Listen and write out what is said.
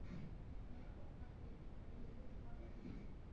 کچالو د خلکو زړه ته نیژدې خواړه دي